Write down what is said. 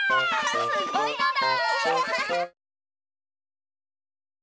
すごいのだ！